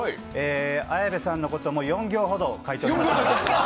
綾部さんのことも４行ほど書いてあります。